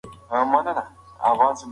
که هلک په خندا پیل وکړي انا به خوشحاله شي.